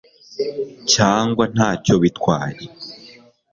cyangwa ntacyo bitwaye